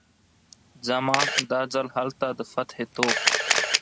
ځمه، دا ځل هلته د فتحې توغ